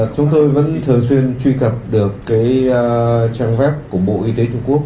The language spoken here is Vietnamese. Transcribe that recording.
chúng tôi vẫn thường xuyên truy cập được trang web của bộ y tế trung quốc